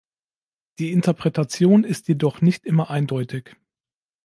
Die Interpretation ist jedoch nicht immer eindeutig.